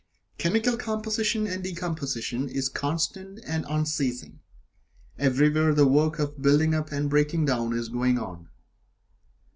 Chemical composition and decomposition is constant and unceasing, everywhere the work of building up and breaking down is going on.